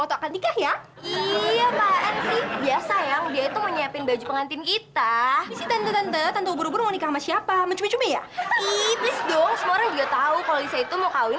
atau kalau enggak abih lagi kejar kejaran